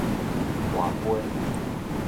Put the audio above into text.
跋桮